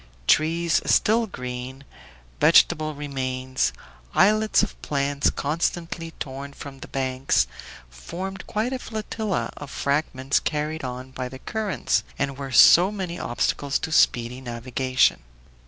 Trees still green, vegetable remains, islets of plants constantly torn from the banks, formed quite a flotilla of fragments carried on by the currents, and were so many obstacles to speedy navigation.